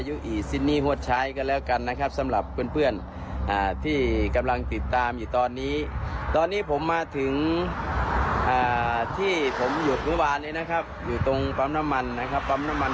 อยู่ตรงปั๊มน้ำมันกว่าเทพท้อย